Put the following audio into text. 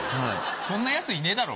そんなヤツいねえだろ。